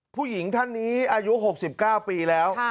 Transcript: ผู้หญิงท่านนี้อายุ๖๙ปีแล้ว